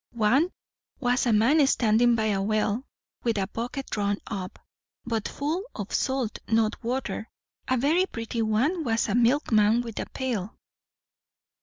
One was a man standing by a well, with a bucket drawn up, but full of salt, not water. A very pretty one was a milkman with a pail."